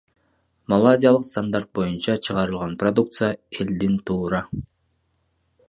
Малайзиялык стандарт боюнча чыгарылган продукция элдин туура